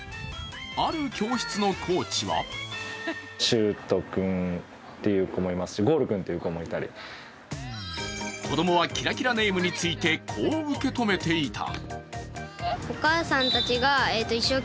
ある教室のコーチは子供はキラキラネームについてこう受け止めていた。